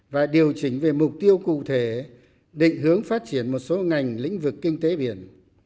và điều chỉnh về mục tiêu cụ thể định hướng phát triển một số ngành lĩnh vực kinh tế biển